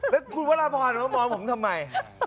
แล้วคุณวรพรมามองผมทำไม